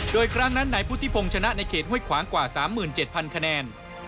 โดยครั้งนั้นนายพุทธิพงศ์ชนะในเขตห้วยขวางกว่า๓๗๐๐คะแนน